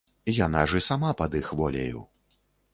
Яна ж і сама пад іх воляю.